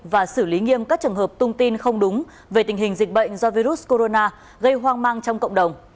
và xử lý nghiêm các trường hợp tung tin không đúng về tình hình dịch bệnh do virus corona gây hoang mang trong cộng đồng